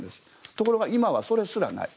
ところが今はそれすらない。